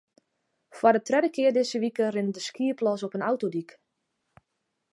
Foar de tredde kear dizze wike rinne der skiep los op in autodyk.